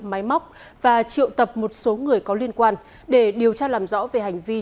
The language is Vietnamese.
máy móc và triệu tập một số người có liên quan để điều tra làm rõ về hành vi